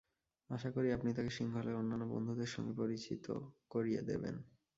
আশা করি আপনি তাঁকে সিংহলের অন্যান্য বন্ধুদের সঙ্গে পরিচিত করিয়ে দেবেন।